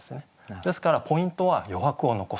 ですからポイントは「余白を残す」。